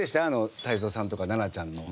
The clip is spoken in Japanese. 太蔵さんとか奈々ちゃんの。